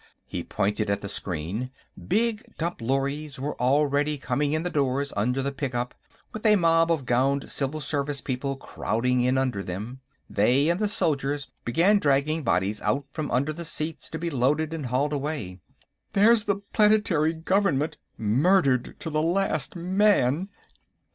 He pointed at the screen; big dump lorries were already coming in the doors under the pickup, with a mob of gowned civil service people crowding in under them. They and the soldiers began dragging bodies out from among the seats to be loaded and hauled away. "There's the planetary government, murdered to the last man!"